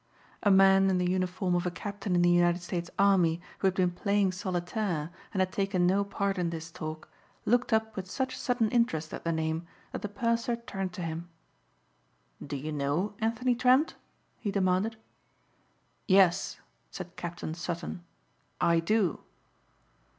A man in the uniform of a captain in the United States army who had been playing solitaire and had taken no part in this talk, looked up with such sudden interest at the name that the purser turned to him. "Do you know Anthony Trent?" he demanded. "Yes," said Captain Sutton, "I do."